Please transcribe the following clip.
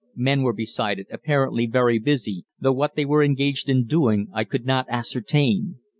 Men were beside it, apparently very busy, though what they were engaged in doing I could not ascertain.